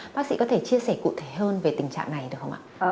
bác sĩ có thể chia sẻ cụ thể hơn về tình trạng này được không ạ